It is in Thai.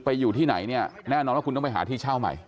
อยู่ที่ไหนเนี่ยแน่นอนว่าคุณต้องไปหาที่เช่าใหม่